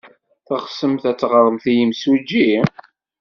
Teɣsemt ad d-ɣreɣ i yimsujji?